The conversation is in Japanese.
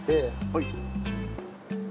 はい。